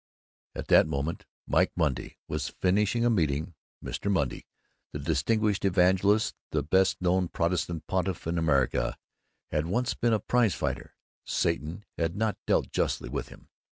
At that moment Mike Monday was finishing a meeting. Mr. Monday, the distinguished evangelist, the best known Protestant pontiff in America, had once been a prize fighter. Satan had not dealt justly with him.